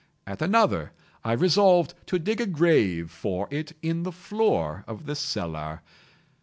At another, I resolved to dig a grave for it in the floor of the cellar.